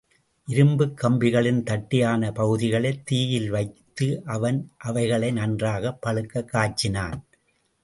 இரும்புக் கம்பிகளின் தட்டையான பகுதிகளைத் தீயில் வைத்து, அவன் அவைகளை நன்றாகப் பழுக்கக் காய்ச்சினான்.